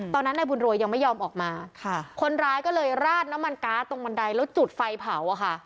ตอนนั้นนายบุญรวยยังไม่ยอมออกมาค่ะคนร้ายก็เลยราดน้ำมันการ์ดตรงบันไดแล้วจุดไฟเผาอะค่ะ